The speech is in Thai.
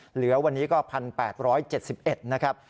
เหลือวันนี้ก็๑๘๗๑นะครับ